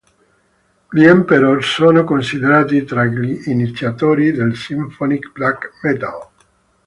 Gli Emperor sono considerati tra gli iniziatori del symphonic black metal.